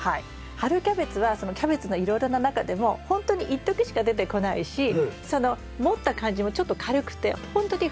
春キャベツはキャベツのいろいろな中でもほんとにいっときしか出てこないしその持った感じもちょっと軽くてほんとにフワフワなんですよね。